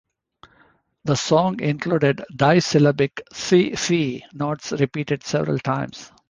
The song includes disyllabic "tsi-fee" notes repeated several times.